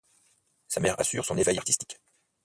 Sa mère assure son éveil artistique.